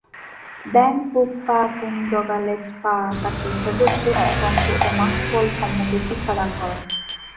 ব্যাং-ফুগ-পা-কুন-দ্গা'-লেগ্স-পা তাকে হেবজ্র তন্ত্র ও মার্গফল সম্বন্ধে শিক্ষাদান করেন।